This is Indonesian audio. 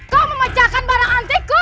kau memecahkan barang antikku